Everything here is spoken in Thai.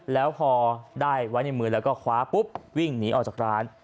แล้วพอได้ไว้ในมือแล้วก็คว้าปุ๊บวิ่งหนีออกจากร้าน